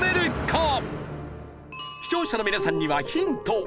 視聴者の皆さんにはヒント。